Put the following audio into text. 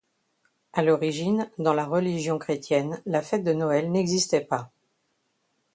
À l'origine, dans la religion chrétienne, la fête de Noël n'existait pas.